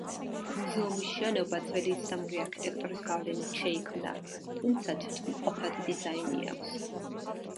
მუზეუმის შენობა ძველი ისლამური არქიტექტურის გავლენით შეიქმნა, თუმცა თვითმყოფადი დიზაინი აქვს.